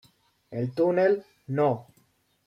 El túnel No.